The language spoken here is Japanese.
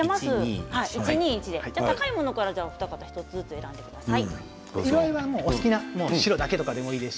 １、２、１で高いものからお二方１人ずつ選んでください。